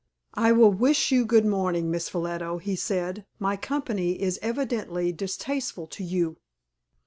"I will wish you good morning, Miss Ffolliot," he said. "My company is evidently distasteful to you."